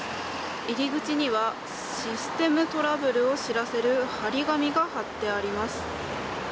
入口にはシステムトラブルを知らせる貼り紙が貼ってあります。